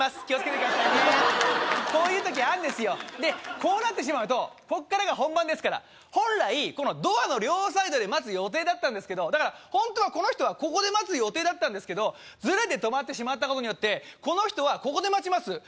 気をつけてくださいねこういう時あんですよでこうなってしまうとここからが本番ですから本来このドアの両サイドで待つ予定だったんですけどホントはこの人はここで待つ予定だったんですけどズレて止まってしまったことによりこの人はここで待ちます